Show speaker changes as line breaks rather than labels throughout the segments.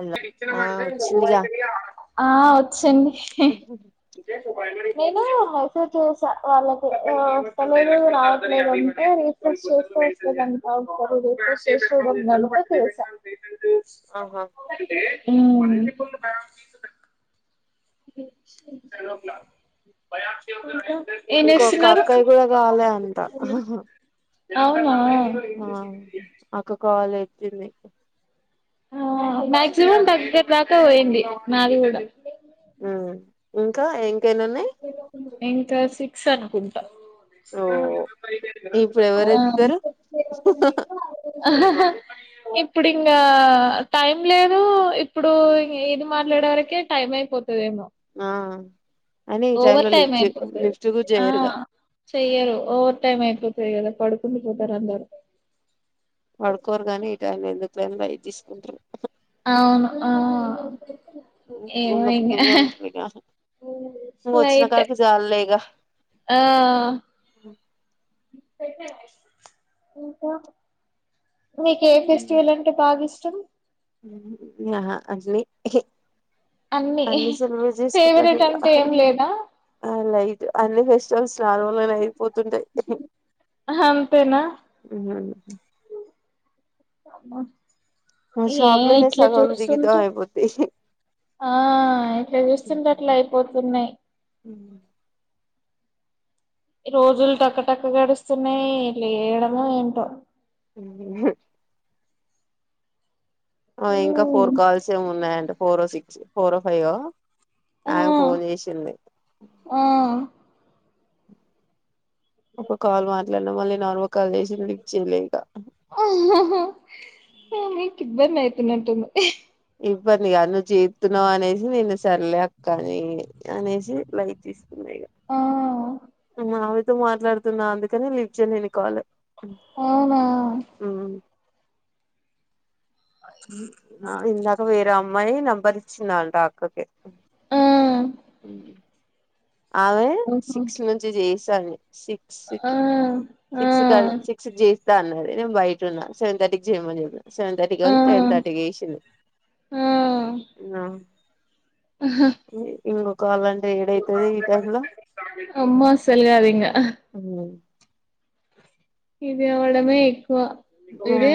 అలా
ఇక్కడ
ఆ
ఇచ్చినామన్నదే ఇ ఓయ కడి ఆడం ఆ వచ్చండి.
అహ్
నేను మెసేజ్ చేసా వాళ్ళకి వస్తలేదు, రావట్లేదు. అంటే రీఫ్రెష్ చేస్తే వస్తదంట. ఒకసారి రీఫ్రెష్ చేసి చూడండి. అంటే చేసా
ఆహా
హ్మ్ ఉహ్ షి ఇంకా
ఇంకొక అక్కయి గూడా కాలే అంట
అవునా
ఆ అక్క కాలె త్తింది
ఆ మ్యాక్సిమమ్ దగ్గర దాకా పోయింది నాది గూడ
ఉమ్ ఇంకా ఏ కెన్నున్నయి
ఇంకా సిక్స్ అనుకుంటా
ఓ ఇప్పుడు
ఉ
ఎవరెత్తుతారు
ఉ ఇప్పుడు ఇంగ టైం లేదు ఇప్పుడు ఇది మాత్ర ప్లేడ వరకె టైమ్ అయిపోతుంది
ఆ అయినా ఈ టై
ఓవర్
లో
టైం
లిఫ్ట్ చే
అయిపోతది
లిఫ్ట్ కుడ
ఆ
చేయరుగా
చెయ్యరు ఓవర్ టైమ్ అయిపోతది కదా పడుకుండి పోతారు అందరు
వడుకోరు గాని ఈ టైం లొ ఎందుకు లె అని భయం తీసుకుంటరు
అవును ఆ ఏమో ఇంగ
నకుతూ ఉంటలేగా ఇ వచ్చిన
లైట్
కడికి చాలలేగా
ఆ ప మీక ఏ ఫెస్టివల్ అంటే బాగా ఇష్ట చదు
హా అందులీ అన్ని సల చేసుకుంట
ఫేవరెట్
పైగా
అంటే ఏం లేదా
అలైట్ అన్ని ఫేస్ చ స్నాన వలనే అయిపోతుంటాయి
అంతేనా అమ
మా
ఏ
షాప్ లోనే
ఇట్లా
సగం జీవితం
చూస్తుండ్ర
అయిపోద్ది
ఆ ఇట్లా చూస్తుంట అట్లా అయిపోతున్నాయి
ఉవు
రోజులు టక్క టక్క గడుస్తున్నాయి లేయడమ ఏంటో
ఉ ఇంకా ఫోర్ కాల్స్ ఏ ఉన్నాయింటడి ఫోర్ సిక్స్ ఫోర్ హయ్యో ఆ ఫోన్ చేసిింది ఒక కాల్ మాట్లాడినా మళ్ళీ నార్ కాల చేసి ఏచింది ఇంకా
ఆ మీ క ఇద్బంది అయితు నంటుంది
ఇబ్బందిగా నువ్వు చేపుతున్నావు అనేసి నేను సర్లేక్కని అనేసి లైట్
ఆ
మావితో మాట్లాడుతున్నా అందుకని లిజ్జ నేను కావాలి
అవునా
ఇందా వేర అమ్మయి నంబరిచ్చన్నాడాకకి
ఆ
ఆమె
ఓహో
సిక్స్ నుంచి చేసి దాన్ని సిక్స్
ఆ
కి
ఆ
సిక్స్ క సిక్స్ జే అన్నది నేను బయట ఉన్నా సెవెన్ థర్టీకి చేయమని చెప్పిన సెవెన్ తర్టీకి
ఆ
[unintelligible] టెన్ తర్టీకి చేసింది
ఆహా
ఇంకో కాలంటే
అమ్మా అస్సలు కాదింక ఇదవ్వడమే ఎక్ వ
ఆ
ఈడు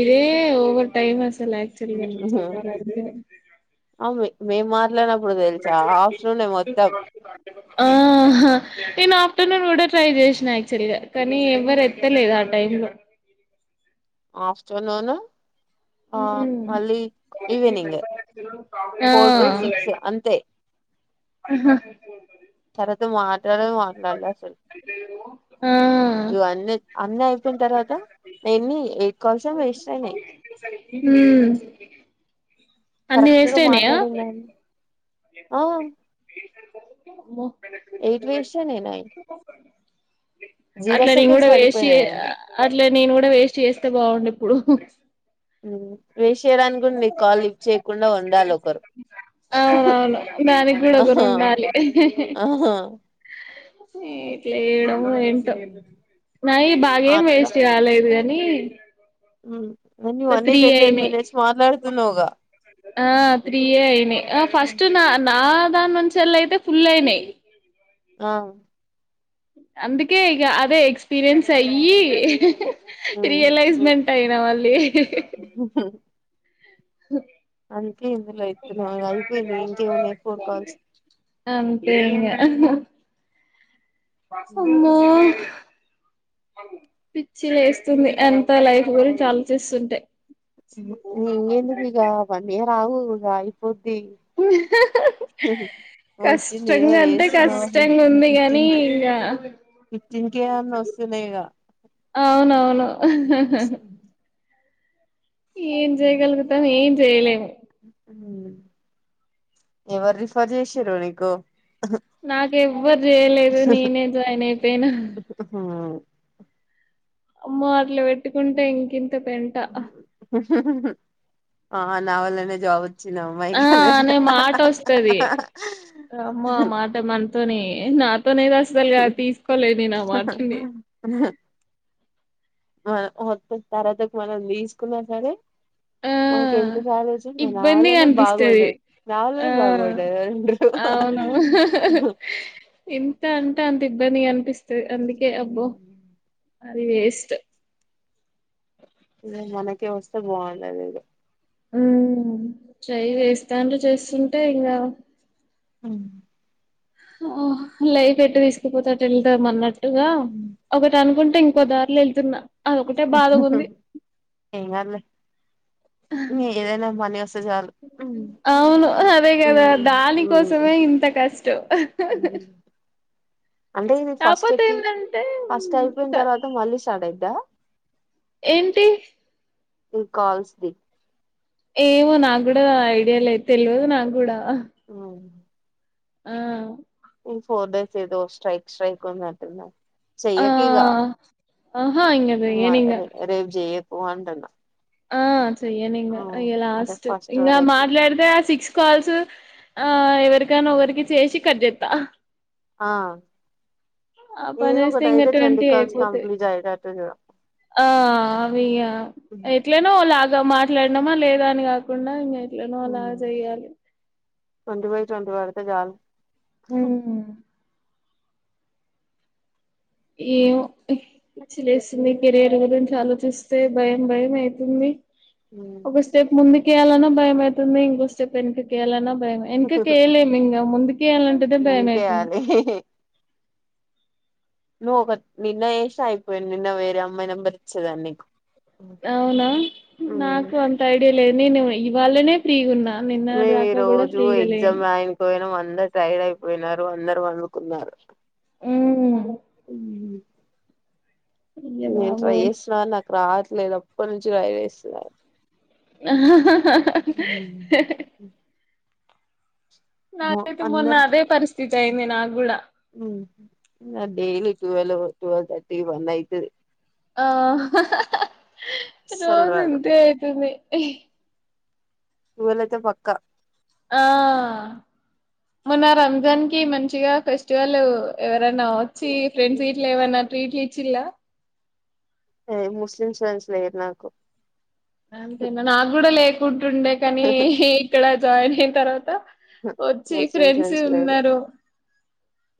ఇదే ఓవర్ టైమ్ అస్ అసలు యాక్చువల్గా చెప్పాలంటే
మేమా
ఆహా నేన [unintelligible] నేను కూడా ట్రై చేసిన యాక్చుల్గా కానీ ఎవరు ఎత్తలేదు ఆ టైమ్ లో
ఆఫ చ న అవును ఆ
ఉమ్.
అళ ఈవెనింగ్ ఫోర్ టు సిక్స్ అంతే
అ
తరత మా ఇ మానలాసలు
ఆ
ఇవ అన్న అన్నీ అయిపోయిన తర్వాత నేన్ని కోసం వేస్నే
హ అన్ని
కరెక్ట్ గా
వేస్ట్ అనియ
మాట్లాడిందాన్ని ఆ
మ
ఏ ట ఇషషనే నయి [unintelligible]
అట్లా నేను కూడా వేస్ట్ చేయ అట్లా నేను కూడా వేస్ట్ చేస్తే బాగుండదు ఇప్పుడు [unintelligible]
ఉ వేస్ట్ చేయడానికి కూడ నీ కాల్ లిప్ట్ చేయకుండా ఉండాలి ఒకరు
అవునవును దానికి కూడ ఒకరు
ఆహా
ఉండాలి
ఆహా
ఇట్ల ఏడ ఏంటో
ఉమ్,
నాయి బాగా ఏం
అట్లా
వేస్ట్ కాాలేదు కాని అ [unintelligible]
ఉ నువ్వు అన్ని టెన్ టెన్ మినిట్స్ మాట్లాడుతున్నావ్ గ
ఆ త్రీ ఏ అయినయి అ ఫస్ట్ నా నా ఆ దాని నుంచి ఎల్లి అయితే ఫుల్ అయినాయి
ఆ
అందుకే ఇక అదే ఎక్స్పీరియన్స్ అయ్యి
ఉమ్, ఉమ్.
రియలైజ్మెంట్ అయినా మళ్ళీ
అంతే ఇందులో అయితే అయిపోయింది ఇంకేమున్నాయి ఫోన్ కాల్స్
అంతే
ఉమ్.
అమ్మా పిచ్చి లేస్తుంది ఎంత లైఫ్ గురించి ఆలోచిస్తుంటే
నీ ఏనుగు ఇక వన్ ఇయర్ వుగా ఇప్పు వచ్చింది ఏదో
కష్టంగా అంటే కష్టంగా
చేస్తున్నావుగ
ఉంది గాని
ఫిఫ్టీన్ కే
ఇంగా
ఫిఫ్టీన్ కే అన్న వస్తున్నాయిగ
అవునవును ఏం జేయగల్గుతా ఏం చెయలేము
ఉ ఎవరు రిఫర్ చేసిర్రు నీకు
నాకెవ్వరు ఎవ్వరు చేయలేదు నేనే జాయిన్ అయిపోయినా అమ్మ అట్ల పెట్టుకుంటే ఇంకింత పెంట
హ్ హ్ ఆ నావలనే జాబ్ వ
ఆ అనే మాట వస్తుది అమ్మ ఆ మాట మనతోని ఏ నా [unintelligible] అసలుగా తీసుకోలే నేను మాటని
[unintelligible] తరవాతకు మనం తీసుకున్నా సరే
ఆ
మాకు ఎంత [unintelligible] నా
ఇబ్బందిగా
వల్లనే
అనిపిస్తది
బాగుపడది నావళనే
ఆ
బాగుపడేదు రండూ
అవును ఎంత అంటే అంత ఇబ్బంది కనిపిస్ అందుకే అబ్బో అది వేస్ట్
మనకే వస్తే బాగుండు అదేదో
మ్మ్ చెయ్ వేస్తాం చేస్తుంటే ఇంకా
[unintelligible]
ఆ లైఫ్ ఎట్టు తీసుకుపోతే [unintelligible] [unintelligible] ఒకటి అనుకు ఇంకో దారిలో వెళ్తున్నా అదొకటే బాధగా ఉంది
ఏనాళ చాలు
అవును అదే కదా దాని కోసమే ఇంత కష్టం
అంటే ఇది
కాకపోతే
ఫస్ట్కి
ఏంటంటే
ఫస్ట్ అయిపోయిన తర్వాత మళ్ళీ [unintelligible]
ఏంటి
కాల్స్ ది
ఏమో నా కూడా ఐడియా లే తెలియదు నాకు కూడా
మ్మ్
ఆ
ఈ ఫోర్ డేస్ ఏదో స్ట్రైక్ స్ట్రైక్ [unintelligible]
ఆ ఆహా ఇంకా చెయ్యను ఇగ
పో అంటూనా
ఆ చెయ్యను ఇగ
అదే
లాస్ట్
ఫస్ట్
ఇంకా
వరకి
మాట్లాడితే ఆ సిక్స్ కాల్స్ ఆ ఎవరికనా ఒకవరికి చేసి కట్ చేస్తా
ఆ
ఆ
ఏదో
పనిస్తే
ఒకటి
ఇంక
అయితే
ట్వంటీ
కాల్స్
అయిపోతాయి
కంప్లీట్ అయ్యేటట్టు చూడు
ఆ అవి ఎట్లనో లా మాట్లాడినామా లేదా అని కాకుండా ఇంకా ఎట్లనో అలా చెయ్యాలి
ట్వంటీ బై ట్వంటీ పడితే చాలు
మ్మ్ ఏమో పిచ్చి లేస్తుంది కెరయర్ గురించి ఆలోచిస్తే భయం భయం అయితుంది ఒక స్టెప్ ముందు కేయాలనో భయమవుతుంది ఇంకో స్టెప్ ఎనికి కేయాలనా ఎనక కేలేమ్ ఇంగా ముందుకీ తీయాలంటుంటే భయం అయితుంది
ముందుకేయాలి నువ్వు ఒక నిన్న ఏషిన అయిపోయేది నిన్న వేరే అమ్మాయి నెంబర్ ఇచ్చేదాన్ని నీకు
అవునా నాకు అంత ఐడియా లేన్ నిను ఇవాళనే ఫ్రీ గా ఉన్నా
మేము ఈ రోజు ఎగ్జామ్ రాయినకి పోయినం అందరు టైడ్ అయిపోయినారు అందరు పండుకున్నారు
ఉమ్ అయ్య
ఇవి ఏంటి రా
బాబోయ్
[unintelligible] రావట్లేదు అప్పటి నుంచి ట్రై చేస్తున్నారు
ఆ హ హ నాతోటి మొన్న అదే పరిస్థితి అయినె నాక్కూడా
నాకు daily twelve twelve thirty one అయితాది
ఆ
అస్సలు
రోజు
రాదు
ఇంతే అయితుంది ఇహ్
నీను అయితే పక్కా
ఆ మొన్న రంజాన్ కి మంచిగా ఫెస్టివల్ ఎవరైనా వచ్చి ఫ్రెండ్స్ గీట్ల ఏవన్నా ట్రీట్లు ఇచ్చిల్ల
ఏ ముస్లిమ్స్ ఫ్రెండ్స్ లేరు నాకు
దానికేం నాగూడ లేద్ ఉండే కానీ ఇక్కడ జాయిన్ అయి తరవాత వచ్చి
ముస్లిం
ఫ్రెండ్స్
లేరు
ఉన్నారు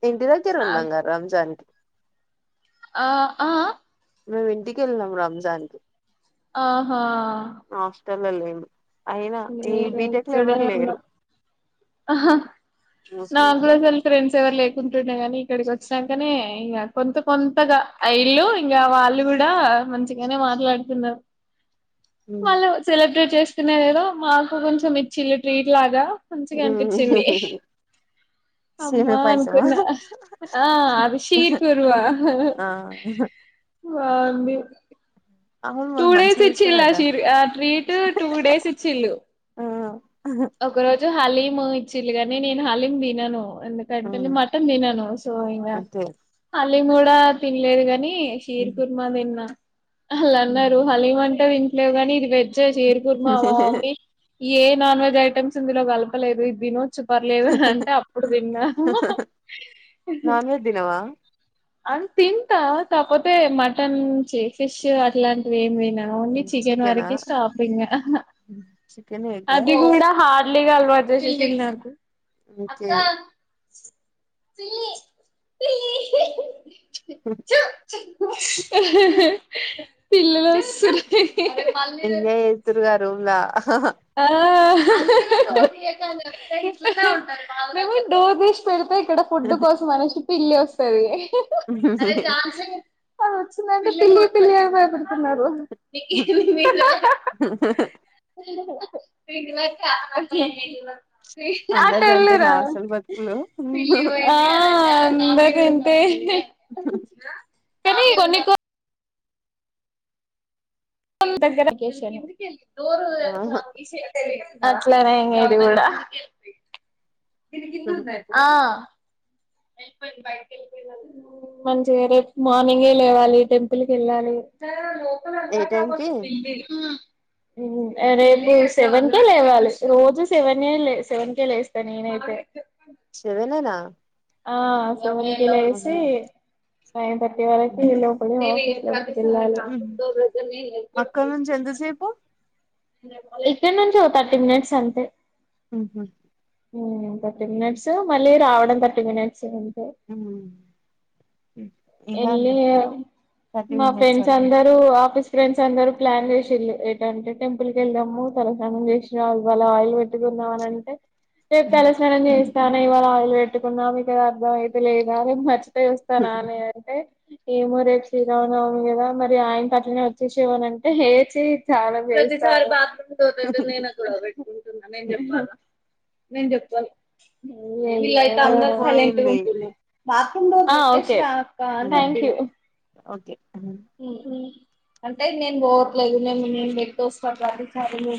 ఇంటి దగ్గర
నా
ఉన్నాంగా రంజాన్ కి
ఆ ఆ
మిము ఇంటికి వెళ్ళినాం రంజాన్ కి
ఆహా
హాస్టల్ లో లేన్
ఆహ
ముస్లిమ్స్
నాక్కూడ
వాళ్ళు
ముస్లిం ఫ్రెండ్స్ ఎవరు లేరు తింటుండే కాని ఇక్కడికి వచ్చినాంకనే ఇంకా కొంత కొంతగా ఆఇల్లు ఇంకా వాళ్ళు కూడా మంచిగానే మాట్లాడుతున్నారు వాళ్ళు సెలబ్రేట్ చేస్ చిన్న ఏదో మాకు కొంచెం ఇచ్చి ల్ ట్రీట్ లాగా మంచిగా అనిపించింది హ్
సేమియా
అమ్మా
పాయసమా
అనుకున్నా ఆ అది షీర్ కురువా
ఆ
వాంది
అవును
టూ
వాళ్ళు
డేస్
మంచిగా
ఇచ్చిల్
చేస్తారట
ఆశీర్ ఆ ట్రీట్ టూ డేస్ ఇచ్చిలు
ఆ
ఒకరోజు హాలిమ్ మో ఇచ్చిలుగాని నేను హాలీమ్ తినను ఎందుకంటే నేన్ మటన్ తినను సో ఇంగ ఆ
అంతే
హాలీమ్ గుడా తినలేద్ గాని హి షేర్ కుర్మా తిన్న అళ్ అన్నారు హలీమ్ అంట ఎ లేవ్ గాని ఇద్ పేట్ చే షేర్ కుర్మా మా మమ్మీ ఏ నాన్ వెెజ్ ఐటమ్స్ ఇందులో కలవ్ త్ లెద్ ఇద్ తినొచ్చు పర్లేదు అంటే ఆన్ అప్పుడు తిన్నా అహ్హ ఆ
నాన్ వెజ్ తినవా
అన్ తింటా కాకపోతే మటన్ ఛీ ఫిష్ అట్లాంటివి ఏమిన్ తినన్ ఓన్లీ చెకేన్
చికెనా
వరక్ హే స్టాప్ ఇంగ
చికెన్ ఎగ్
అ
ఆ
[unintelligible] హార్లీ గ అల్ వజేషినర్
ముకే
పిల్లి పిల్లి ఇహ్ ఇహ్
ఊ
ఏ హే పిల్లలోస్తూ ర్
ఎంజాయ్ చేస్తుర్ గ రూమ్లా
ఆ ఆహా హ్హ [unintelligible] మేమ్ డోర్ తీస్ పెడ్తే ఇక్కడ ఫుడ్ కోసం అనేష్ పిల్లి వస్తది ఓహ్ అరే సన్ సేప్ ఆ వచ్చిందంటే పిల్లి పిల్లి భయపడుతున్నార్ నీక్ ఎమ్ అహహహ ఇ [unintelligible] అట్
అందరిది అంతేనా
ఎల్లురా
హాస్టల్ బతుకులు
పిల్లి బయ్ ఆ ఆ ఎందా కంటే కనీ కొకో దగ్గర ోరుష
ఆహా
అట్లనే ఎంగది కూడా ఆ వెళ్ిపోయింది బయ వెళ్ళిపోయి మంచిగా రేపు మార్నింగే లేవాలి టెంపుల్కి వెళ్ళాలి
ఏ టైంకి
బపోయింది రేపు సెవెన్ కేే లేవాలి రోజు సెవెన్ ఏ సెవెన్ కే లేస్తా నేనైతే
సవెననా
ఆ సి అవు పవకి పో మ ఎల్లాలి
ఉమ్. అక్కడ నుంచి ఎంతసేపు
ఇక్కడ నుంచి ఒక థర్టీ మినిట్స్ అంతే
హమ్
థర్టీ మినిట్స్ మళ్ళీ రావడం థర్టీ మినిట్స్
అ
వెళ్ళ
థర్టీ
మా
మినిట్స్
ఫ్రెండ్స్
అంటే
అందరుూ ఆఫీస్ ఫ్రెండ్స్ అందరుూ ప్లాన్ చేసిళ్ళు ఏటంటే టెంపుల్ క వెళ్దాము తలసనానం చేసిన అవాళ ఆయిల్ పెట్టుకుందాం అని అంటే రేప్
ఉమ్.
తలస్నానం చే చా ఇవాళ ఆయిల్ పెట్టుకున్నా మీకు అది అర్థం అయితే లేదా అది మ దే వస్తా ననే ఏమో రేపు శ్రీరావునవమి కదా మరి ఆయన పట్లనే వచ్చేసేవాని అంటే హేచ చాలా తత అయితే నేను అక్కడ పెట్టుకుంటున్నా నేను చెప్పను నెంచేపాను
అయిపోయింది
ఆ ఒకే
ఉమ్.
థ్యాంక్ యూ
ఓకే ఉమ్.
ఉ అంటే నేను పోవట్లేదు మేము నేను బట్ వస్తారు అధికారులు